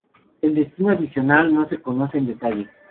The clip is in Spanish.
El destino adicional no se conoce en detalle.